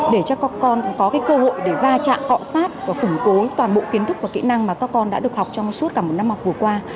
để cho các con có cơ hội để va chạm cọ sát và củng cố toàn bộ kiến thức và kỹ năng mà các con đã được học trong suốt cả một năm học vừa qua